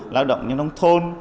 lao động nhân đồng thôn